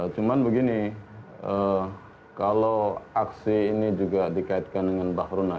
cuman begini kalau aksi ini juga dikaitkan dengan bahru naim